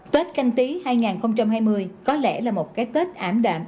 tết canh tí hai nghìn hai mươi có lẽ là một cái tết ảm đạm